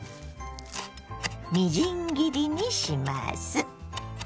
みじん切りにします。